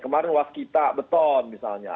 kemarin was kita beton misalnya